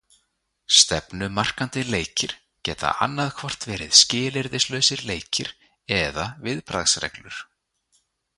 Stefnumarkandi leikir geta annaðhvort verið skilyrðislausir leikir eða viðbragðsreglur.